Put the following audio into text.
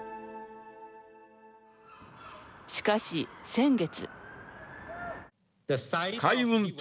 しかし先月。